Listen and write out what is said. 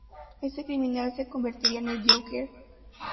Ese criminal se convertiría en el Joker.